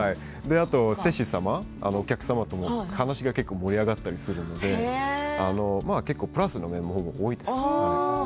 あと施主様、お客様とも話が盛り上がったりするのでプラスになることが多いです。